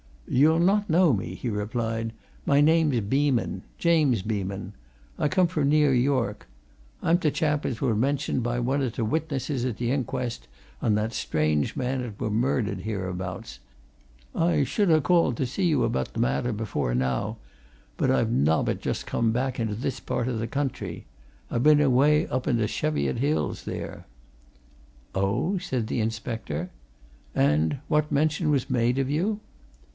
"You'll not know me," he replied. "My name's Beeman James Beeman. I come fro' near York. I'm t' chap 'at were mentioned by one o' t' witnesses at t' inquest on that strange man 'at were murdered hereabouts. I should ha' called to see you about t' matter before now, but I've nobbut just come back into this part o' t' country; I been away up i' t' Cheviot Hills there." "Oh?" said the inspector. "And what mention was made of you?"